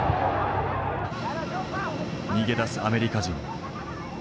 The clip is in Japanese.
逃げ出すアメリカ人。